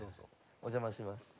お邪魔します。